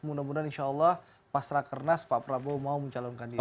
mudah mudahan insya allah pas rakernas pak prabowo mau mencalonkan diri